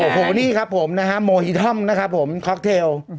โอ้โฮนี่ครับผมโมฮิท่อมนะครับผมคลอคเทล